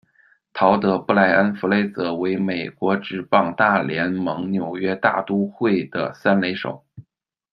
陶德·布莱恩·弗雷泽，为美国职棒大联盟纽约大都会的三垒手。